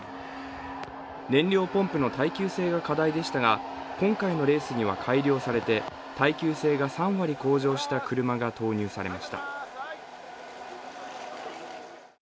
燃料ポンプの耐久性が課題でしたが、今回のレースには改良されて、耐久性が３割向上した車が投入されました。